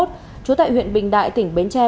trú tại huyện bình đại tỉnh bến tre